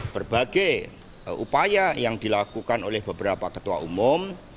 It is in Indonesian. berbagai upaya yang dilakukan oleh beberapa ketua umum